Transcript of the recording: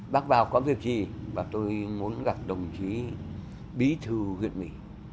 bác vào có việc gì và tôi muốn gặp đồng chí bí thư huyện mỹ